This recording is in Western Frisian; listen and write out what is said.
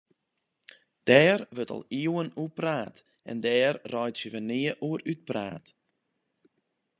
Dêr wurdt al iuwen oer praat en dêr reitsje we nea oer útpraat.